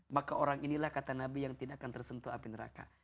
maka orang inilah kata nabi yang tidak akan tersentuh api neraka